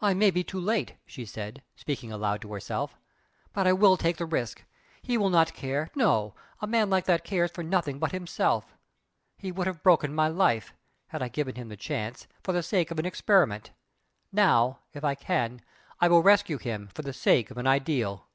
"I may be too late!" she said, speaking aloud to herself "But I will take the risk! He will not care no! a man like that cares for nothing but himself. He would have broken my life (had I given him the chance!) for the sake of an experiment. Now if I can I will rescue his for the sake of an ideal!"